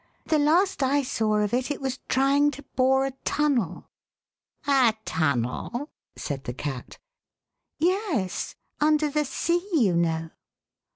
The last I saw of it, it was trying to bore a tunnel." " A tunnel ?" said the Cat. "Yes; under the sea, you know."